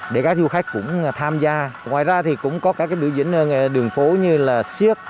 để các du khách cũng tham gia ngoài ra thì cũng có các biểu diễn đường phố như là siết